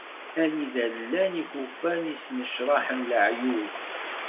Anida i llan yikufan i yesnecraḥen laɛyud.